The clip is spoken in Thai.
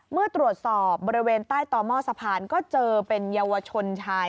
เมื่อตรวจสอบบริเวณใต้ต่อหม้อสะพานก็เจอเป็นเยาวชนชาย